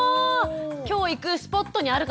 今日行くスポットにあるかどうか。